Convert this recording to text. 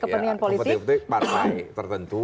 kepentingan politik partai tertentu